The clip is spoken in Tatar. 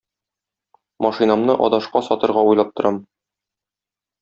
Машинамны адашка сатырга уйлап торам.